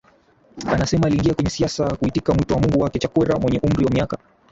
anasema aliingia kwenye siasa kuitikia mwito wa Mungu wake Chakwera mwenye umri wa miaka